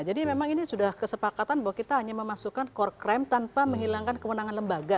memang ini sudah kesepakatan bahwa kita hanya memasukkan core crime tanpa menghilangkan kewenangan lembaga